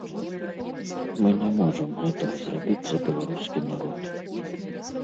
Мы не можам гэтага зрабіць за беларускі народ.